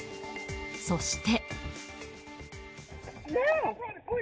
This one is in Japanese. そして。